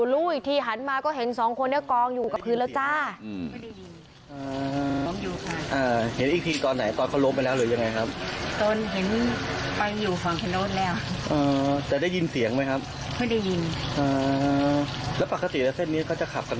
รู้อีกทีหันมาก็เห็นสองคนนี้กองอยู่กับพื้นแล้วจ้า